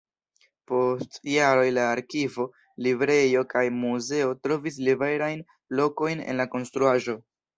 Post jaroj la arkivo, librejo kaj muzeo trovis liberajn lokojn en la konstruaĵo.